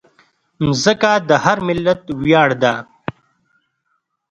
مځکه د هر ملت ویاړ ده.